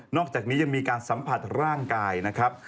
อกจากนี้ยังมีการสัมผัสร่างกายนะครับ